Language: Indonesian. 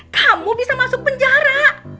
kamu bisa masuk penjara